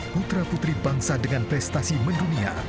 putra putri bangsa dengan prestasi mendunia